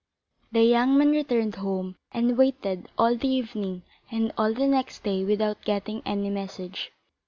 The young man returned home and waited all the evening and all the next day without getting any message.